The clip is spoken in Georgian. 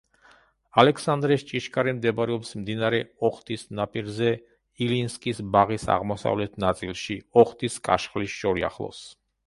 ალექსანდრეს ჭიშკარი მდებარეობს მდინარე ოხტის ნაპირზე ილინსკის ბაღის აღმოსავლეთ ნაწილში, ოხტის კაშხლის შორიახლოს.